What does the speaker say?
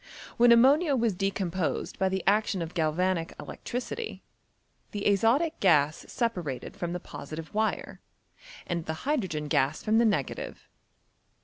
When ammonia was decomposed by the action of galvanic electricity, the azotic gas separated from the posi tive wire, and the hydrogen gas from the negative.